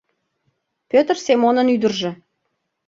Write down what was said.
Пӧтр Семонын ӱдыржӧ.